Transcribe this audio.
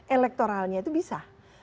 elektoralnya itu bisa